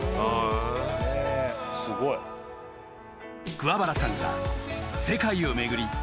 ［桑原さんが世界を巡り